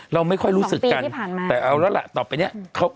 ๙๐เราไม่ค่อยรู้สึกกัน๒ปีที่ผ่านมาแต่เอาแล้วล่ะต่อไปเนี่ย